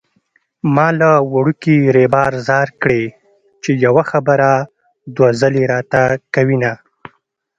ما له وړوکي ريبار ځار کړې چې يوه خبره دوه ځلې راته کوينه